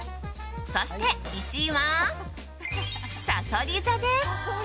そして１位は、さそり座です。